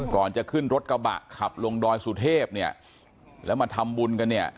ก่อนจะขึ้นรถกระบะขับลงดอยสุเทพเนี่ยแล้วมาทำบุญกันเนี่ย